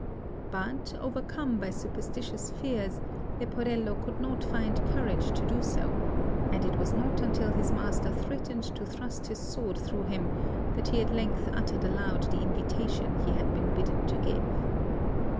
But, overcome by superstitious fears, Leporello could not find courage to do so, and it was not until his master threatened to thrust his sword through him that he at length uttered aloud the invitation he had been bidden to give.